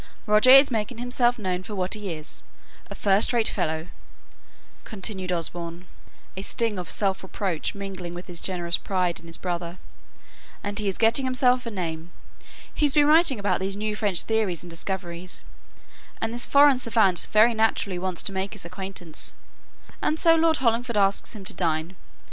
Roger is making himself known for what he is, a first rate fellow," continued Osborne a sting of self reproach mingling with his generous pride in his brother "and he's getting himself a name; he's been writing about these new French theories and discoveries, and this foreign savant very naturally wants to make his acquaintance, and so Lord Hollingford asks him to dine.